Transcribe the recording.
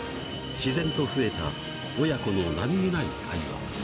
自然と増えた親子の何気ない会話。